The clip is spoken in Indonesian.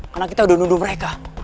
karena kita udah undur undur mereka